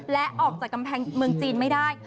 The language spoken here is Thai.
และออกจากกำแพงเมืองจีนไม่ได้